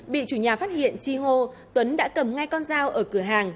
bị chủ nhà phát hiện chi hô tuấn đã cầm ngay con dao ở cửa hàng